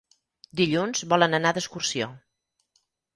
Dilluns volen anar d'excursió.